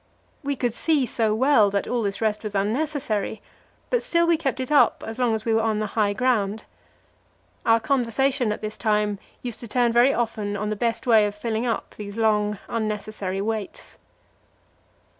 We could see so well that all this rest was unnecessary, but still we kept it up as long as we were on the high ground. Our conversation at this time used to turn very often on the best way of filling up these long, unnecessary waits.